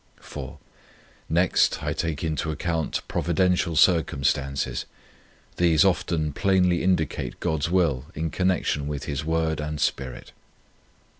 4. Next I take into account providential circumstances. These often plainly indicate God's Will in connection with His Word and Spirit.